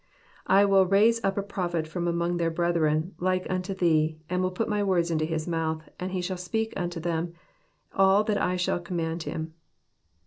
" I will raise up a Prophet from among their brethren, like unto thee, and will put my words Into His mouth, and he shall speak unto them all that I shall com mand Him."